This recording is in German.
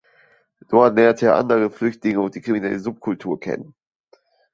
Dort lernte er andere Flüchtlinge und die kriminelle Subkultur kennen.